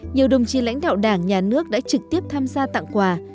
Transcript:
nhiều đồng chí lãnh đạo đảng nhà nước đã trực tiếp tham gia tặng quà